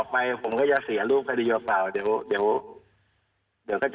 ไปผมก็จะเสียรูปคดีหรือเปล่าเปล่าเดี๋ยวเดี๋ยวก็จะ